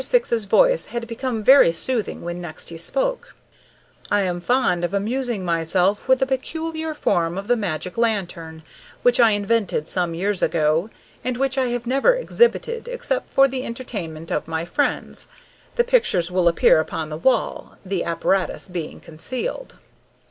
Syx's voice had become very soothing when next he spoke: "I am fond of amusing myself with a peculiar form of the magic lantern, which I invented some years ago, and which I have never exhibited except for the entertainment of my friends. The pictures will appear upon the wall, the apparatus being concealed."